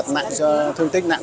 cái thương tích nặng